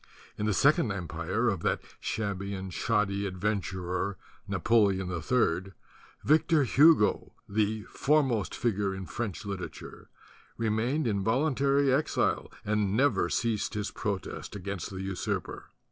In the Sec ond Empire of that shabby and shoddy adven turer, Napoleon III, Victor Hugo, the foremost figure in French literature, remained in volun tary exile and never ceased his protest against the usurper.